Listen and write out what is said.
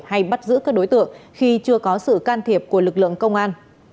hay bắt giữ các đối tượng khi chưa có sự can thiệp của lực lượng công an